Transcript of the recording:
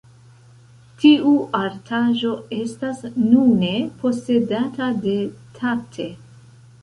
Tiu artaĵo estas nune posedata de Tate.